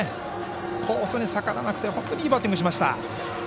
コースに逆らわなくて本当にいいバッティングしました。